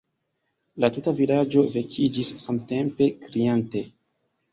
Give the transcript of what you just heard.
La tuta vilaĝo vekiĝis samtempe, kriante.